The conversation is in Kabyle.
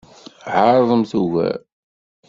Ɛeṛḍemt ugar.